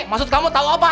maksud kamu tahu apa